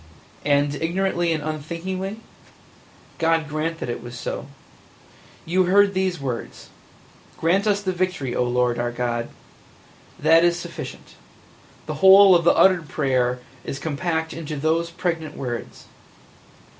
And ignorantly and unthinkingly? God grant that it was so! You heard these words: 'Grant us the victory, O Lord our God!' That is sufficient. The whole of the uttered prayer is compact into those pregnant words.